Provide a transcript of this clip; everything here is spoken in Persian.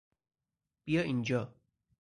بیا اینجا!